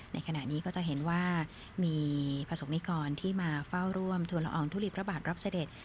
ในขณะนี้ก็จะเห็นว่ามีประสงค์นิกรที่มาเฝ้าร่วมทุลอองทุลีพระบาทรับเสด็จ